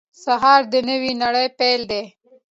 سهار د نوې نړۍ پیل دی.